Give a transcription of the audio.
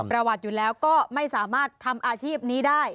ประวัติอยู่แล้วก็ไม่สามารถทำอาชีพนี้ได้